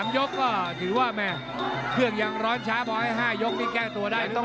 ๓ยกก็ถือว่าแม่งเครื่องยังร้อนช้าพอให้๕ยกมีแก้งตัวได้หรือเปล่า